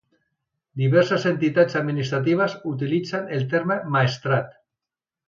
Diverses entitats administratives utilitzen el terme Maestrat.